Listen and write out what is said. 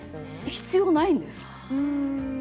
必要ないんです。